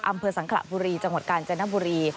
อำเภอสังขระบุรีจังหวัดกาญจนบุรี